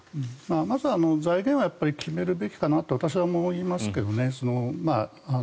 まず財源は決めるべきかなと私は思いますけどね。